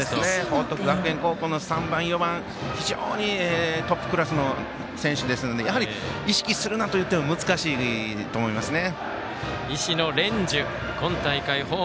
報徳学園高校の３番、４番非常にトップクラスの選手ですのでやはり、意識するなといっても難しいと思いますね。